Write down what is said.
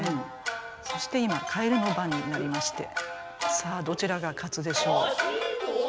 そして今蛙の番になりましてさあどちらが勝つでしょう。